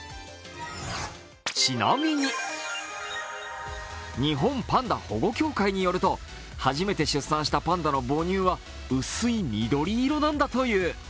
ちなみに、日本パンダ保護協会によると、初めて出産したパンダの母乳は薄い緑色なんだという。